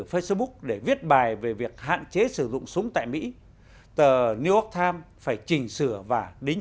facebook để viết bài về việc hạn chế sử dụng súng tại mỹ tờ new york times phải chỉnh sửa và đính